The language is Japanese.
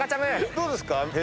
どうですか？